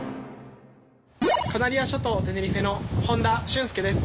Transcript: カナリア諸島テネリフェの本多俊介です。